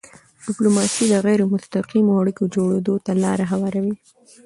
ډیپلوماسي د غیری مستقیمو اړیکو جوړېدو ته لاره هواروي.